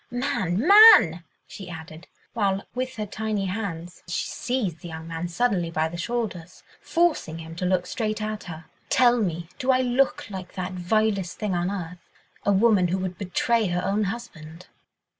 Man, man," she added, while, with her tiny hands she seized the young man suddenly by the shoulders, forcing him to look straight at her, "tell me, do I look like that vilest thing on earth—a woman who would betray her own husband?"